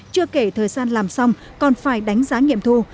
chưa kể thời gian làm xong còn phải đánh giá nghiệm thu